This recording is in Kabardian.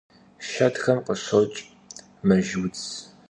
Шэдхэм къыщокӀ мэжьудз.